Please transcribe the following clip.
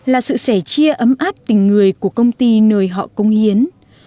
là sự sẻ chia ấm áp tình người của công ty nơi họ công hiến